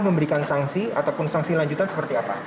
memberikan sanksi ataupun sanksi lanjutan seperti apa